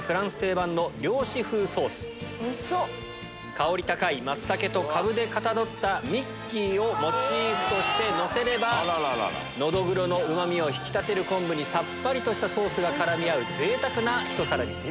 香り高いマツタケとカブでかたどったミッキーをモチーフとしてのせればノドグロのうまみを引き立てる昆布にさっぱりとしたソースが絡み合う贅沢なひと皿に。